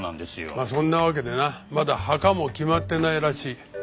まあそんなわけでなまだ墓も決まってないらしい。